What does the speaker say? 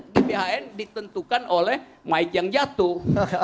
gbhn ditentukan oleh mike yang jatuh